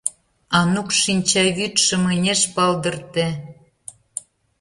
Анук шинчавӱдшым ынеж палдырте.